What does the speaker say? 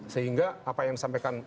sehingga apa yang disampaikan